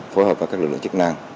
phối hợp với các lực lượng chức năng